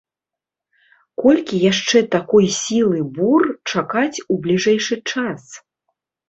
Колькі яшчэ такой сілы бур чакаць у бліжэйшы час?